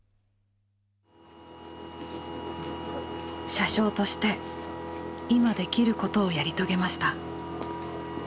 車掌として今できることをやり遂げました。